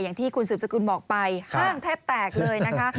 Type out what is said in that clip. อย่างที่คุณสืบสกุลบอกไปห้างแทบแตกเลยนะคะ